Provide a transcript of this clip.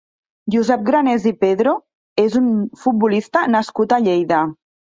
Josep Granés i Pedro és un futbolista nascut a Lleida.